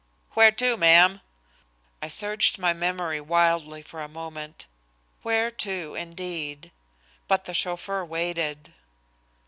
"Where to, ma'am?" I searched my memory wildly for a moment. Where to, indeed! But the chauffeur waited.